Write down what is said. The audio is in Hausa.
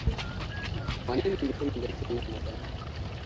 Wanene mutumin da ya ke ma magana?